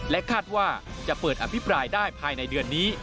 คาดว่าจะเปิดอภิปรายได้ภายในเดือนนี้